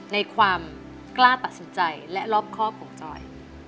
ในความกล้าตัดสินใจและรอบครอบของจอย